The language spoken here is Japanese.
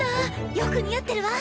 よく似合ってるわ。